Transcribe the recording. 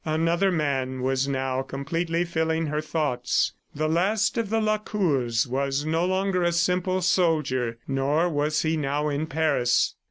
Another man was now completely filling her thoughts. The last of the Lacours was no longer a simple soldier, nor was he now in Paris.